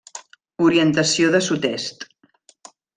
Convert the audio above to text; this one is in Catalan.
Orientació de sud-est.